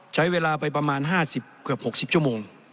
ใช้เวลาไปประมาณ๕๐กว่า๖๐จม